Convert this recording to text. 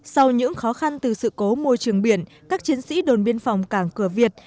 sau những khó khăn từ sự cố môi trường biển các chiến sĩ đồn biên phòng cảng cửa việt